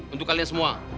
untuk kalian semua